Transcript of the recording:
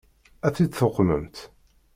Ad t-id-tuqmemt?